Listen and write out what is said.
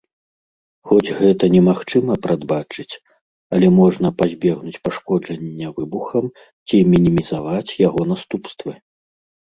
Хоць гэта немагчыма прадбачыць, але можна пазбегнуць пашкоджання выбухам ці мінімізаваць яго наступствы.